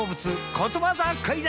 ことわざクイズ！